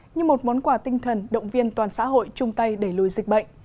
như một món quà tinh thần động viên toàn xã hội chung tay đẩy lùi dịch bệnh